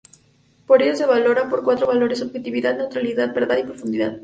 Por ello se valora por cuatro valores: objetividad, neutralidad, verdad y profundidad.